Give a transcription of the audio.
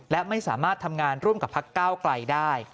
และไม่สามารถทำงานร่วมกับพักก้าวไกลได้